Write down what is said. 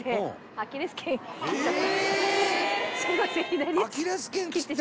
「アキレス腱切った！？」